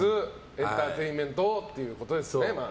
エンターテインメントをということですね。